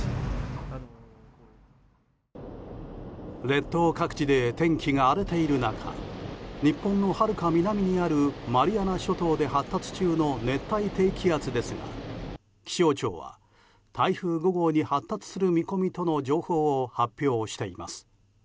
列島各地で天気が荒れている中日本のはるか南にあるマリアナ諸島で発達中の熱帯低気圧ですが気象庁は台風５号に発達する見込みとの情報を発表しています。